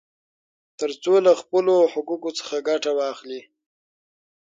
ترڅو له خپلو حقوقو څخه ګټه واخلي.